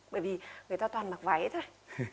bởi vì người ta toàn mặc váy thôi